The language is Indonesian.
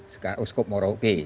sekarang uskop moroke